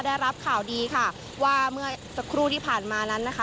ได้รับข่าวดีค่ะว่าเมื่อสักครู่ที่ผ่านมานั้นนะคะ